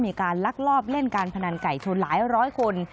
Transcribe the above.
ลักลอบเล่นการพนันไก่ชนหลายร้อยคน